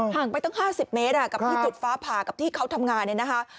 งไปตั้ง๕๐เมตรกับที่จุดฟ้าผ่ากับที่เขาทำงานเนี่ยนะคะ